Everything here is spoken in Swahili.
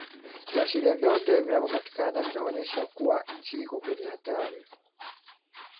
Viashiria vyote vinavyopatikana vinaonyesha kuwa nchi iko kwenye hatari